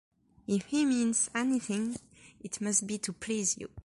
If he means anything, it must be to please you.